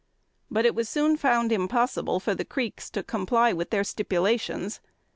But it was soon found impossible for the Creeks to comply with their stipulations.